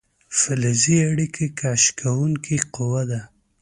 فلزي اړیکه کش کوونکې قوه ده.